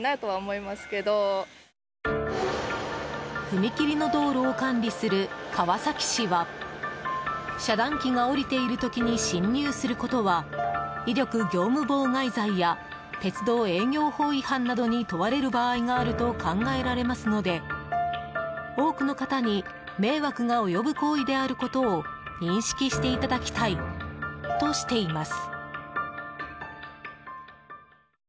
踏切の道路を管理する川崎市は遮断機が下りている時に進入することは威力業務妨害罪や鉄道営業法違反などに問われる場合があると考えられますので多くの方に迷惑が及ぶ行為であることを認識していただきたいとしています。